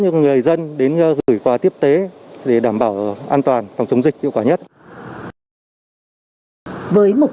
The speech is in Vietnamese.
cho người dân đến gửi quà tiếp tế để đảm bảo an toàn phòng chống dịch hiệu quả nhất với mục